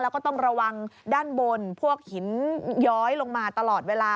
แล้วก็ต้องระวังด้านบนพวกหินย้อยลงมาตลอดเวลา